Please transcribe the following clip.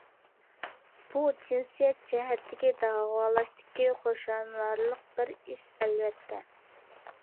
بۇ جىنسىيەت جەھەتتىكى داۋالاشتىكى خۇشاللىنارلىق بىر ئىش، ئەلۋەتتە.